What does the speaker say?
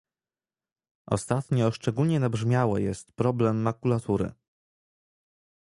Ostatnio szczególnie nabrzmiały jest problem makulatury